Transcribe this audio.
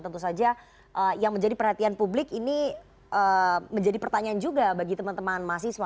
tentu saja yang menjadi perhatian publik ini menjadi pertanyaan juga bagi teman teman mahasiswa